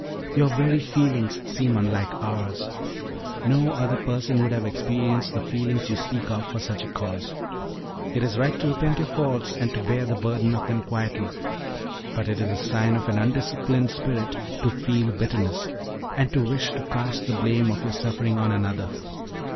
Your very feelings seem unlike ours. No other person would have experienced the feelings you speak of for such a cause. It is right to repent your faults, and to bear the burden of them quietly; but it is a sign of an undisciplined spirit to feel bitterness, and to wish to cast the blame of your suffering on another.